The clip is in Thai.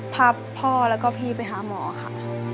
พาพ่อแล้วก็พี่ไปหาหมอค่ะ